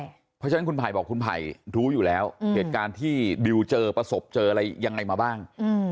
เพราะฉะนั้นคุณไผ่บอกคุณไผ่รู้อยู่แล้วเหตุการณ์ที่ดิวเจอประสบเจออะไรยังไงมาบ้าง